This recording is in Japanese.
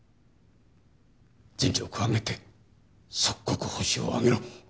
全力を挙げて即刻ホシを挙げろ！